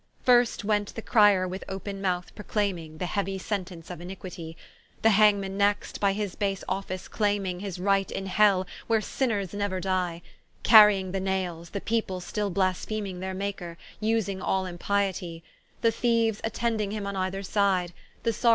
First went the Crier with open mouth proclayming The heauy sentence of Iniquitie, The Hangman next, by his base office clayming His right in Hell, where sinners neuer die, Carrying the nayles, the people still blaspheming Their maker, vsing all impiety; The Thieues attending him on either side, The teares of the daugh ters of Ieru salem.